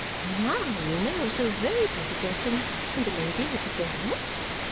Now, you know, so very prepossessing in the lady with the veil!"